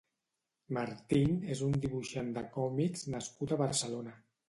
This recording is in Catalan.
Martín és un dibuixant de còmics nascut a Barcelona.